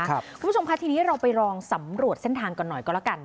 คุณผู้ชมค่ะทีนี้เราไปลองสำรวจเส้นทางกันหน่อยก็แล้วกัน